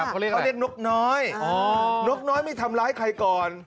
เขาเรียกนกน้อยนกน้อยไม่ทำร้ายใครก่อน